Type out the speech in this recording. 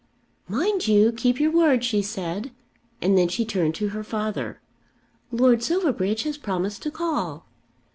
"Mind you keep your word," she said. And then she turned to her father. "Lord Silverbridge has promised to call."